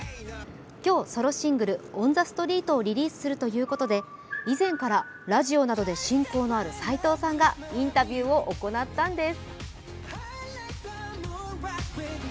今日、ソロシングル「ｏｎｔｈｅｓｔｒｅｅｔ」をリリースするということで、以前からラジオなどで親交のある斎藤さんがインタビューを行ったんです。